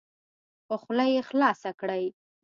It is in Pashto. په خوله یې خلاصه کړئ.